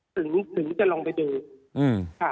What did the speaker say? ถึงถึงจะลองไปดู